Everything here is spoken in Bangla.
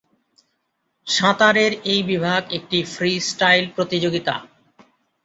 সাঁতারের এই বিভাগ একটি ফ্রিস্টাইল প্রতিযোগিতা।